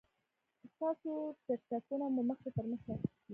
ستاسو ټکټونه مو مخکې تر مخکې اخیستي.